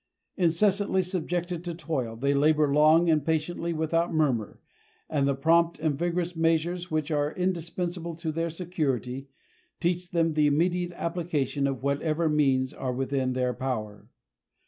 Incessantly subjected to toil, they labor long and patiently without murmur, and the prompt and vigorous measures which are indispensable to their security, teach them the immediate application of whatever means are within their power.